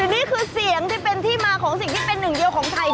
นี่คือเสียงที่เป็นที่มาของสิ่งที่เป็นหนึ่งเดียวของไทย